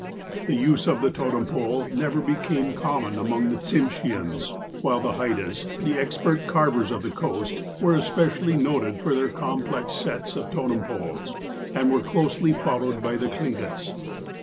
The use of the totem pole never became common among the Tsimsheans, while the Haidas, the expert carvers of the coast, were especially noted for their complex sets of totem poles, and were closely followed by the Thlingits.